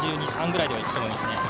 ７２７３ぐらいでいくと思いますね。